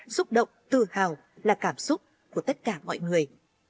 xúc động tự hào là cảm xúc của tất cả mọi người